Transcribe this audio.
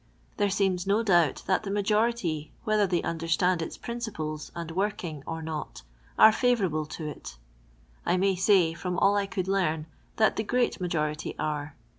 There seems no doubt that the uiajoritj*, whether they understand its principles and wot Ic ing or not, are favourable to it ; I may 8;iy, from all I could learn, that the t/rcat majority are.